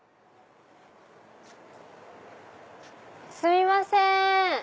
すみません！